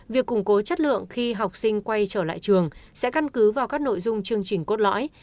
việc củng cố chất lượng khi học sinh quay trở lại trường sẽ căn cứ vào các nội dung chương trình cốt lõi